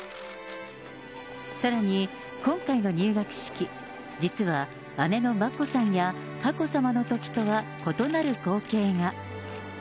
さらに今回の入学式、実は姉の眞子さんや佳子さまのときとは異なる光景が。